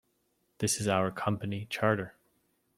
This is our company charter.